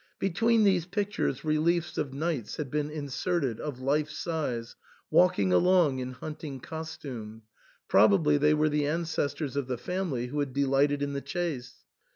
Between these pictures reliefs of knights had been inserted, of life size, walking along in hunting costume ; probably they were the ancestors of the family who had delighted in the chase.